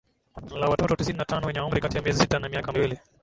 la watoto tisini na tano wenye umri kati ya miezi sita na miaka miwili